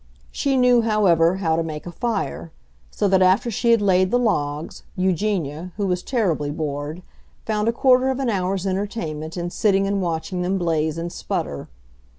She knew, however, how to make a fire; so that after she had laid the logs, Eugenia, who was terribly bored, found a quarter of an hour's entertainment in sitting and watching them blaze and sputter.